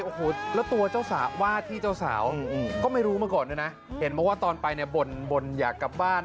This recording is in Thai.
โอ้โหแล้วตัวเจ้าสาววาดที่เจ้าสาวก็ไม่รู้มาก่อนด้วยนะเห็นมาว่าตอนไปเนี่ยบ่นอยากกลับบ้าน